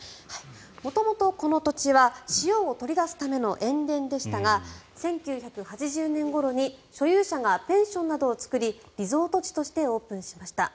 元々この土地は塩を取り出すための塩田でしたが１９８０年ごろに所有者がペンションなどを作りリゾート地としてオープンしました。